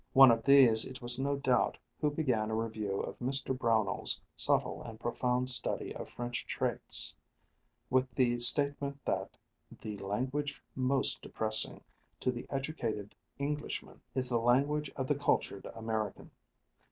One of these it was no doubt who began a review of Mr. Brownell's subtle and profound study of French Traits with the statement that "the language most depressing to the educated Englishman is the language of the cultured American."